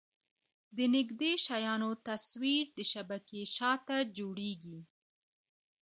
د نږدې شیانو تصویر د شبکیې شاته جوړېږي.